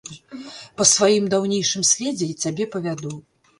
Па сваім даўнейшым следзе цябе павяду.